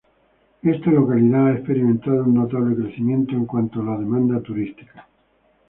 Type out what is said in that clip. Esta localidad ha experimentado un notable crecimiento en cuanto a la demanda turística.